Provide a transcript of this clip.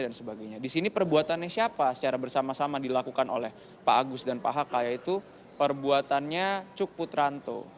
sebagainya disini perbuatannya siapa secara bersama sama dilakukan oleh pak agus dan pak haka yaitu perbuatannya cuk putranto